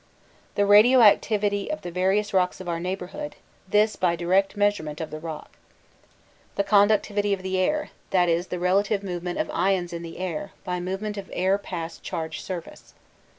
The radio activity of the various rocks of our neighbourhood; this by direct measurement of the rock. The conductivity of the air, that is, the relative movement of ions in the air; by movement of air past charged surface.